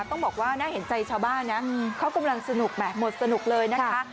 ต้องบอกว่าน่าเห็นใจชาวบ้านนะเขากำลังสนุกไหมหมดสนุกเลยนะคะ